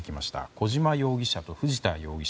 小島容疑者と藤田容疑者。